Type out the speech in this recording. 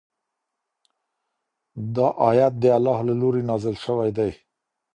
دا آیت د الله له لوري نازل شوی دی.